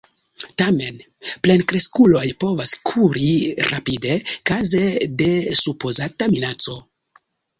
Tamen plenkreskuloj povas kuri rapide kaze de supozata minaco.